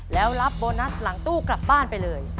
แล้วรับโบนัสหลังตู้กลับบ้านไปเลย